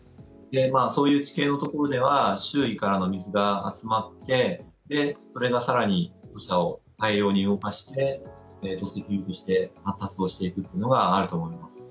そういう地形のところでは周囲からの水が集まってそれが更に土砂を大量に動かして土石流として発達をしていくというのがあると思います。